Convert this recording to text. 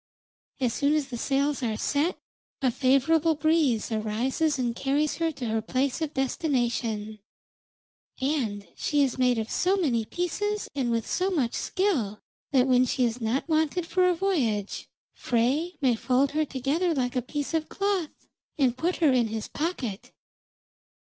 As soon as the sails are set a favourable breeze arises and carries her to her place of destination, and she is made of so many pieces, and with so much skill, that when she is not wanted for a voyage Frey may fold her together like a piece of cloth, and put her in his pocket."